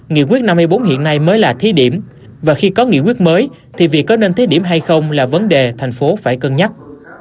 nghị quyết năm mươi bốn hiện nay mới là thí điểm và khi có nghị quyết mới thì việc có nên thí điểm hay không là vấn đề thành phố phải cân nhắc